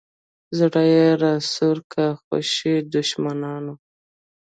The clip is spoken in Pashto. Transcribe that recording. زړه یې راسو کا خوشي دښمنان.